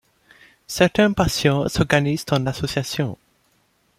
Certains patients s'organisent en association.